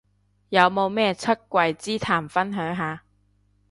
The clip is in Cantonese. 有冇咩出櫃之談分享下